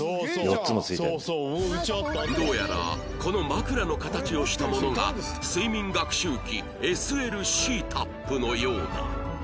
どうやらこの枕の形をしたものが睡眠学習器 ＳＬ シータップのようだ